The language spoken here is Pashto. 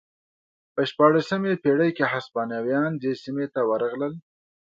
په شپاړسمې پېړۍ کې هسپانویان دې سیمې ته ورغلل.